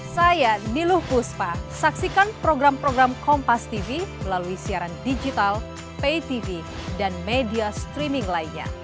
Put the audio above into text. saya niluh kuspa saksikan program program kompastv melalui siaran digital paytv dan media streaming lainnya